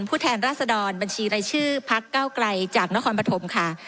ผู้แทนราษดรบัญชีในชื่อพรรคเก้าไกลจากน้องคอนประถมค่ะ